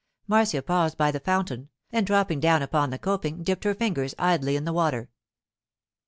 Marcia paused by the fountain, and dropping down upon the coping, dipped her fingers idly in the water.